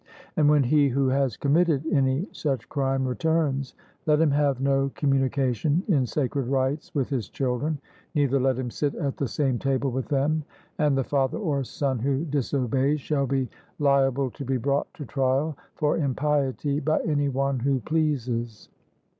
And when he who has committed any such crime returns, let him have no communication in sacred rites with his children, neither let him sit at the same table with them, and the father or son who disobeys shall be liable to be brought to trial for impiety by any one who pleases.